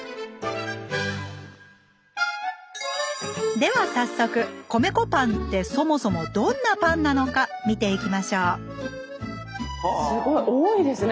では早速米粉パンってそもそもどんなパンなのか見ていきましょうすごい！多いですね。